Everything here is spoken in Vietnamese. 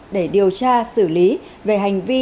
để điều tra xử lý về hành vi